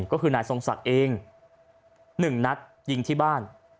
ก็คือนายทรงศักดิ์เอง๑นัดยิงที่บ้าน